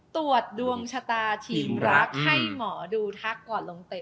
ตรวจดวงชะตาทีมรักให้หมอดูทักก่อนลงเตะ